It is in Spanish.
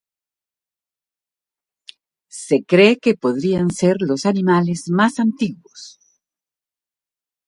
Se cree que podrían ser los animales más antiguos.